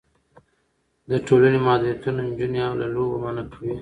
د ټولنې محدودیتونه نجونې له لوبو منع کوي.